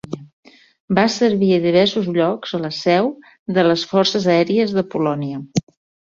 Va servir a diversos llocs a la seu de les Forces Aèries de Polònia.